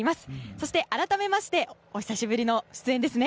そして、改めましてお久しぶりの出演ですね。